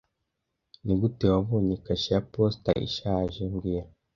Nigute wabonye kashe ya posita ishaje mbwira